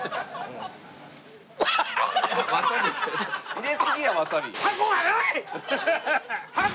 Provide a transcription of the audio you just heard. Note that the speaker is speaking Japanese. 入れすぎやわさび。